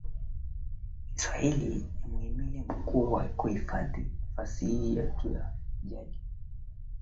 Pembezoni nazungumza na Miki Nazowa kutoka kituo cha kimataifa cha ufundi stadi